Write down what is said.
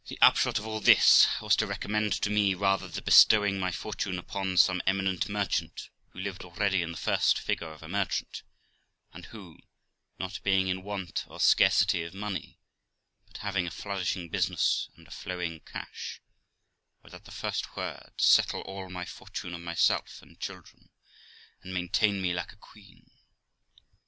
The upshot of all this was to recommend to me rather the bestowing my fortune upon some eminent merchant, who lived already in the first figure of a merchant, and who, not being in want or scarcity of money, but having a flourishing business and a flowing cash, would at the first word settle all my fortune on myself and children, and maintain me like a queen.